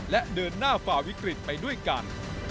และเดินหน้าฝ่าวิกฤตไปด้วยกัน